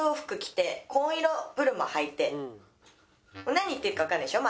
何言ってるかわかんないでしょ？